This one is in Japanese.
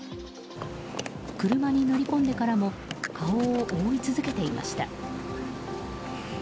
車に乗り込んでからも顔を覆い続けていました。